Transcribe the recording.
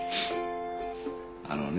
あのね